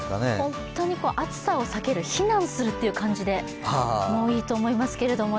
本当に暑さを避ける、避難するという感じでいいと思いますけどね。